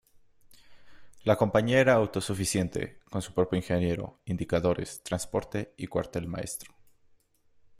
La compañía era autosuficiente, con su propio ingeniero, indicadores, transporte, y cuartel maestro.